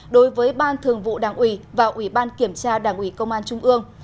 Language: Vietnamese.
đối với ban thường vụ đảng ủy và ủy ban kiểm tra đảng ủy công an trung ương